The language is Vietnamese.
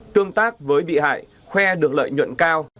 tương tác với bị hại khoe được lợi nhuận cao